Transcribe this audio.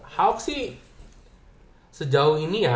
hoax sih sejauh ini ya